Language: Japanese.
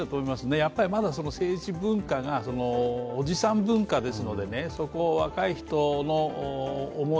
やっぱり政治文化がまだおじさん文化ですので、そこを若い人の思い